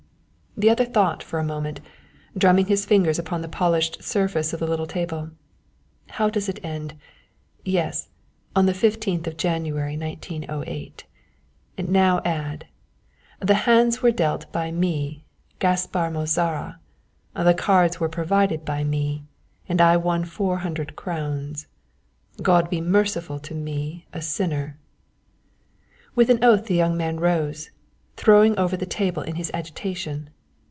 The other thought for a moment, drumming his fingers upon the polished surface of the little table. "How does it end yes 'on the fifteenth of January 1908,' now add '_The hands were dealt by me, Gaspar Mozara. The cards were provided by me and I won four hundred crowns. God be merciful to me a sinner_.'" With an oath the young man rose, throwing over the table in his agitation.